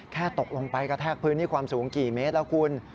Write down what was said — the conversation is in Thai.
ตกลงไปกระแทกพื้นที่ความสูงกี่เมตรแล้วคุณ